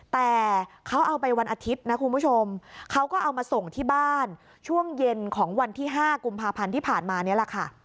แต่เขาเอาไปวันอาทิตย์นะคุณผู้ชมเขาก็เอามาส่งที่บ้านช่วงเย็นของวันที่๕กุมภาพันธ์ที่ผ่านมานี่แหละค่ะ